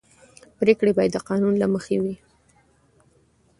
پرېکړې باید د قانون له مخې وي